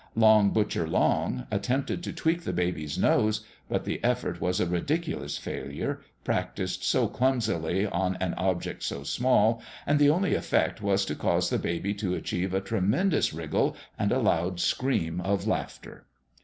Long Butcher Long attempted to tweak the baby's nose ; but the effort was a ridiculous failure, practiced so clumsily on an object so small, and the only effect was to cause the baby to achieve a tre mendous wriggle and a loud scream of laughter.